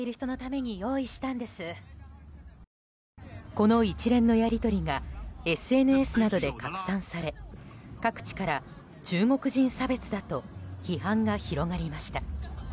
この一連のやり取りがＳＮＳなどで拡散され各地から中国人差別だと批判が広がりました。